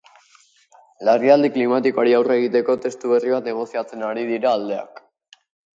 Larrialdi klimatikoari aurre egiteko testu berri bat negoziatzen ari dira aldeak.